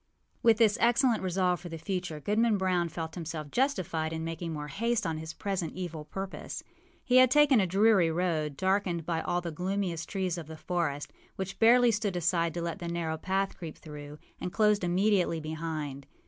â With this excellent resolve for the future, Goodman Brown felt himself justified in making more haste on his present evil purpose. He had taken a dreary road, darkened by all the gloomiest trees of the forest, which barely stood aside to let the narrow path creep through, and closed immediately behind.